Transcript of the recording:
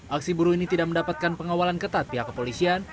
aksi buruh ini tidak mendapatkan pengawalan ketat pihak kepolisian